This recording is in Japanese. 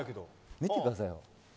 見てくださいよ。